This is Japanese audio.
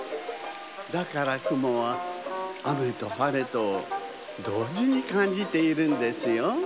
だからくもはあめとはれとをどうじにかんじているんですよ。